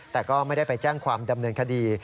แต่ก็ไม่ได้ไปแจ้งความดำเนินคดี